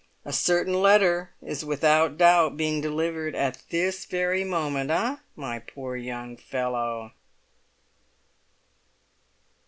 A certain letter is without doubt being delivered at this very moment—eh, my poor young fellow?"